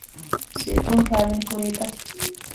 ސިއްރުން ކައިވެނި ކުރީތަ؟